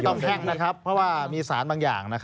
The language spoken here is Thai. แพ่งนะครับเพราะว่ามีสารบางอย่าง